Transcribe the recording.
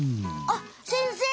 あっ先生！